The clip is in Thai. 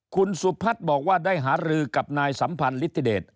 คุณสุพัฒน์บอกว่าได้หารือกับนายสัมพันธ์ลิธิเดช